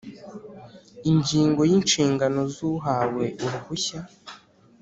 Ingingo ya inshingano z uhawe uruhushya